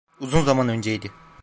Uzun zaman önceydi.